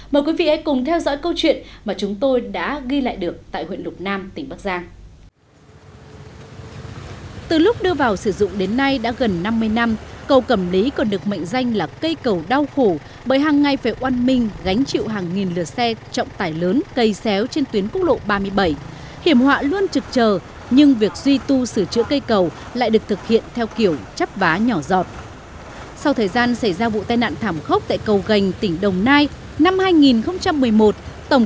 mời quý vị hãy cùng theo dõi câu chuyện mà chúng tôi đã ghi lại được tại huyện lục nam tỉnh bắc giang